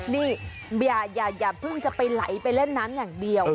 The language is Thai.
นี่อย่าเพิ่งจะไปไหลไปเล่นน้ำอย่างเดียว